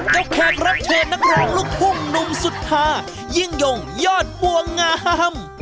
ก็แขกรับเชิญนักร้องลูกภูมินุ่มสุดท้ายยิ่งย่องยอดบ่วงงาม